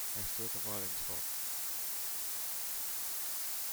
I stood awhile in thought.